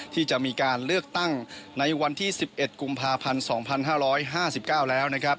ที่จะมีการเลือกตั้งในวันที่๑๑กุมภาพันธ์๒๕๕๙แล้วนะครับ